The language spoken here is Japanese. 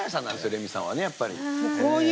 レミさんはやっぱり。